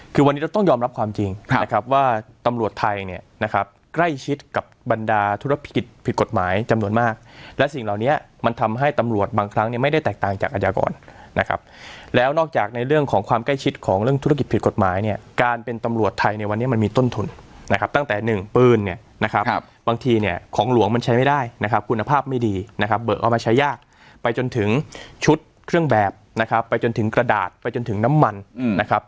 คือวันนี้เราต้องยอมรับความจริงนะครับว่าตำรวจไทยเนี่ยนะครับใกล้ชิดกับบรรดาธุรกิจผิดกฎหมายจำนวนมากและสิ่งเหล่านี้มันทำให้ตำรวจบางครั้งเนี่ยไม่ได้แตกต่างจากอาจารย์ก่อนนะครับแล้วนอกจากในเรื่องของความใกล้ชิดของเรื่องธุรกิจผิดกฎหมายเนี่ยการเป็นตำรวจไทยในวันนี้มันมีต้นทุนนะครับ